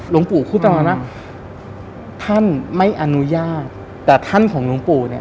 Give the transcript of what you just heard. หลวงปู่พูดประมาณว่าท่านไม่อนุญาตแต่ท่านของหลวงปู่เนี่ย